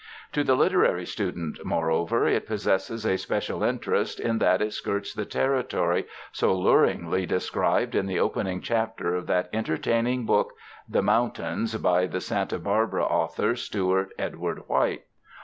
To the literary stu dent, moreover, it possesses a special interest in that it skirts the territory so luringly described in the opening chapter of that entertaining book ''The Mountains," by the Santa Barbara author, Stewart Edward White.